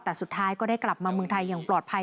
แต่สุดท้ายก็ได้กลับมาเมืองไทยอย่างปลอดภัย